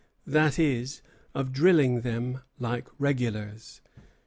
that is, of drilling them like regulars.